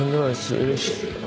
うれしい。